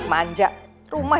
siapa yang telepon mas